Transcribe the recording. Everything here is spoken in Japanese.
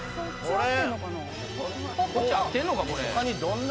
これ。